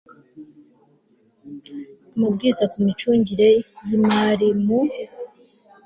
amabwiriza ku micungire y imari mu